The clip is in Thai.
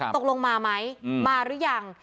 ตกลงมาไหมมาหรือยัง